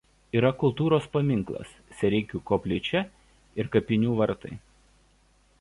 Yra kultūros paminklas Sereikių koplyčia ir kapinių vartai.